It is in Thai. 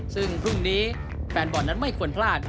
ซึ่งพรุ่งนี้แฟนบอลนั้นไม่ควรพลาด